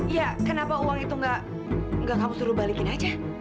ya kenapa uang itu gak kamu suruh balikin aja